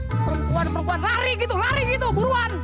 perempuan perempuan lari gitu lari gitu buruan